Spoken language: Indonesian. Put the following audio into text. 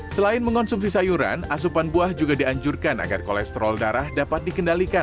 selain mengonsumsi sayuran asupan buah juga dianjurkan agar kolesterol darah dapat dikendalikan